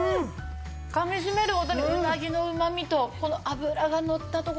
かみ締めるほどにうなぎのうまみとこの脂がのった所がね